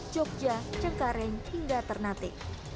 jah cengkareng hingga ternate